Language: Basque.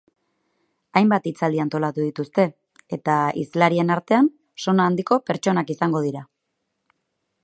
Hainbat hitzaldi antolatu dituzte eta hizlarien artean sona handko pertsonak izango dira.